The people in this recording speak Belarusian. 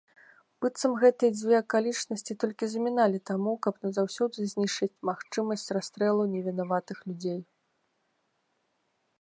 Быццам гэтыя дзве акалічнасці толькі заміналі таму, каб назаўсёды знішчыць магчымасць расстрэлу невінаватых людзей.